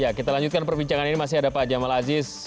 ya kita lanjutkan perbincangan ini masih ada pak jamal aziz